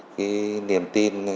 cái niềm tin